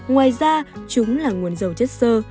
ngoài ra chúng là nguồn dầu chất sơ